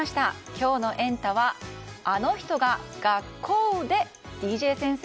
今日のエンタ！はあの人が学校でＤＪ先生？